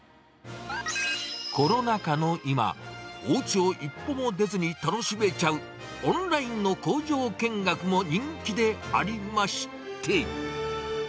コロナ禍の今、おうちを一歩も出ずに楽しめちゃう、オンラインの工場見学も人気でありまして。